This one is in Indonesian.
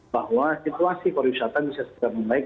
bahwa situasi pariwisata bisa segera membaik